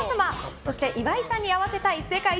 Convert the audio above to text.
そして岩井さんに会わせたい世界一